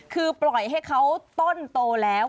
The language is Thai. คือปล่อยให้เขาต้นโตแล้ว